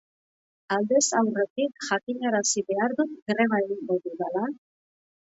Aldez aurretik jakinarazi behar dut greba egingo dudala?